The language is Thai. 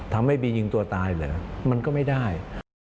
ทำให้บียิงตัวตายเหรอมันก็ไม่ได้